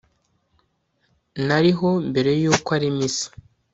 nariho mbere y'uko arema isi